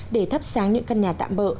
để thắp sáng những căn nhà tạm bỡ